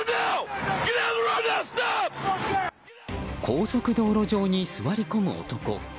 高速道路上に座り込む男。